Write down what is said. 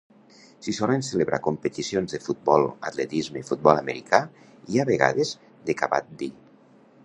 S'hi solen celebrar competicions de futbol, atletisme, futbol americà i, a vegades, de kabaddi.